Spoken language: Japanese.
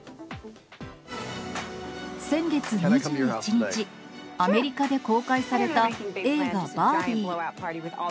先月２１日、アメリカで公開された映画、バービー。